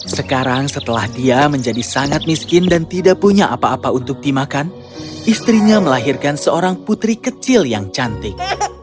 sekarang setelah dia menjadi sangat miskin dan tidak punya apa apa untuk dimakan istrinya melahirkan seorang putri kecil yang cantik